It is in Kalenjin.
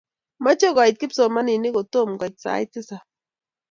Mochei koit kipsomaninik ko tom koit sait tisab.